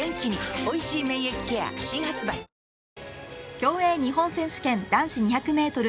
競泳日本選手権男子２００メートル